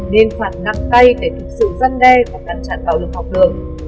nên khoản nặng tay để thực sự răn đe và cắn chặn bạo lực học được